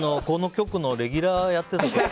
この局のレギュラーやってた時。